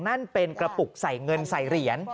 นั่นเป็นกระปุกใส่เงินใส่เหรียญ